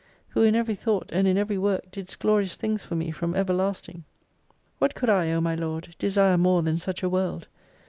"Who in every thought and in every work didst Glorious things for me from Everlasting. What could I, O my Lord, desire more than such a World